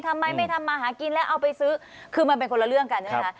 ทำไมไม่ทำมาหากินแล้วเอาไปซื้อคือมันเป็นคนละเรื่องกันใช่ไหมคะ